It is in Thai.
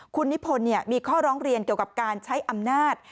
คุณนิพนธ์มีข้อร้องเรียนเกี่ยวกับการใช้อำนาจ